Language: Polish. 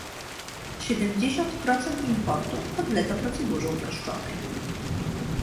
Siedemdziesiąt procent importu podlega procedurze uproszczonej